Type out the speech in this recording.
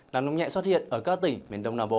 nắng nóng nhẹ xuất hiện ở các tỉnh miền đông nam bộ